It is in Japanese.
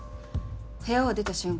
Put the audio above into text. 部屋を出た瞬間